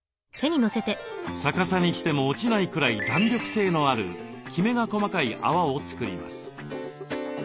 逆さにしても落ちないくらい弾力性のあるきめが細かい泡を作ります。